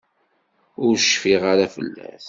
Ur cfiɣ ara fell-as.